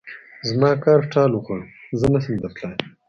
زما کار ټال وخوړ؛ زه نه شم درتلای.